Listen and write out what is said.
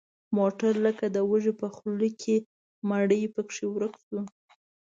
موټر لکه د وږي په خوله کې مړۍ پکې ورک شو.